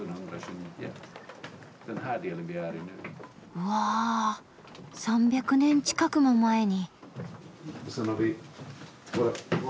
うわぁ３００年近くも前に。